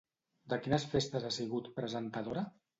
De quines festes ha sigut presentadora?